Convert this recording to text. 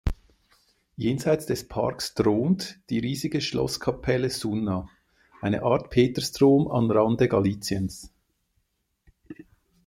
Jenseits des Parks thront die riesige Schlosskapelle Sunna, eine Art Petersdom am Rande Galiziens.